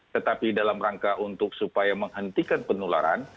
tetapi dalam rangka untuk supaya menghentikan penularan